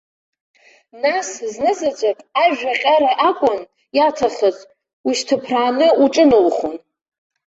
Нас, знызаҵәык ажәҩаҟьара акәын иаҭахыз ушьҭыԥрааны уҿынаухон.